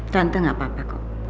tante gak apa apa kok